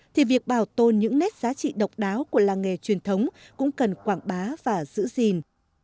thì việc bảo tồn những nét giá trị độc đáo của làng nghề truyền thống cũng cần quảng bá và giữ gìn